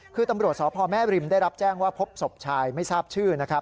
คือตำรวจสอบพ่อแม่บริมได้รับแจ้งว่าพบศพชายไม่ทราบชื่อ